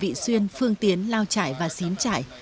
hà giang đã bị xuyên phương tiến lao chải và xín chải